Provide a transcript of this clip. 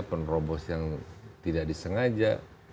penerobos yang tidak disengaja